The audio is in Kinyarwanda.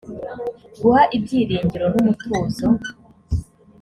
guha ibyiringiro n umutuzo